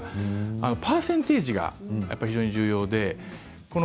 パーセンテージが実は重要なんです。